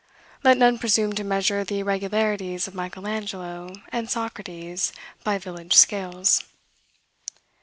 Let none presume to measure the irregularities of Michel Angelo and Socrates by village scales.